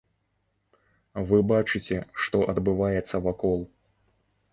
Вы бачыце, што адбываецца вакол.